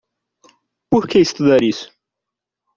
Por que estudar isso?